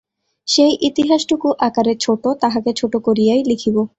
সেই ইতিহাসটুকু আকারে ছোটো, তাহাকে ছোটো করিয়াই লিখিব।